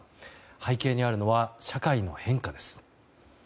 背景にあるのは社会の変化です。